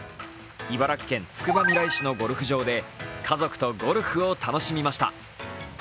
茨城県つくばみらい市のゴルフ場で家族とゴルフを楽しみました。